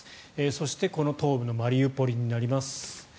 そして、この東部のマリウポリになります。